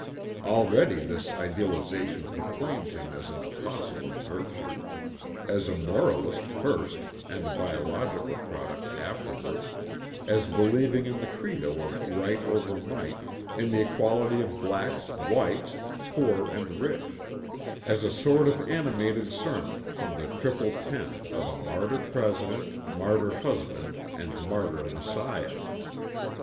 Already this idealization proclaimed him as an apostle of virtue, as a moralist first and a biological product afterward; as believing in the credo of right over might, in the equality of blacks, whites, poor and rich; as a sort of animated sermon from the triple pen of a martyr president, martyr husband and martyr Messiah.